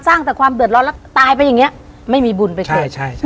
ตั้งแต่ความเดือดร้อนแล้วตายไปอย่างเงี้ยไม่มีบุญไปช่วยใช่ใช่